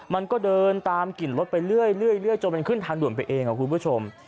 มันก็เดินตามกลิ่นรถไปเรื่อยจนมันขึ้นทางด่วนไปเองครับคุณผู้ชม